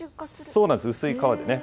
そうなんです、薄い皮でね。